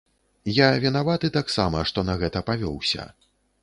Я вінаваты таксама, што на гэта павёўся.